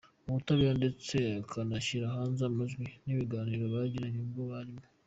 ubutabera ndetse akanashyira hanze amajwi yikiganiro bagiranye ubwo barimo.